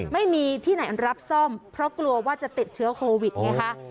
ไม่มีที่ไหนอันรับซ่อมเพราะกลัวว่าจะติดเชื้อโควิดไงคะ